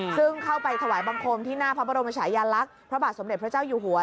ซึ่งเข้าไปถวายบังคมที่หน้าพระบรมชายาลักษณ์พระบาทสมเด็จพระเจ้าอยู่หัว